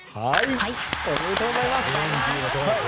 おめでとうございます。